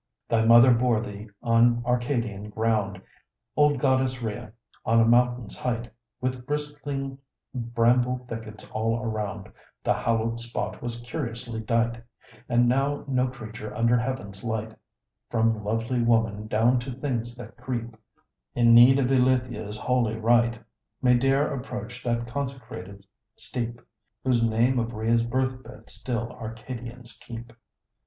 Thy mother bore thee on Arcadian ground, Old Goddess Rhea, on a mountain's height; With bristling bramble thickets all around The hallowed spot was curiously dight; And now no creature under heaven's light, From lovely woman down to things that creep, In need of Ilithyia's holy rite, May dare approach that consecrated steep, Whose name of Rhea's birth bed still Arcadians keep.